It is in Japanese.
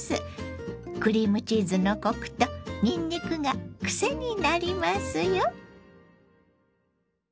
クリームチーズのコクとにんにくが癖になりますよ。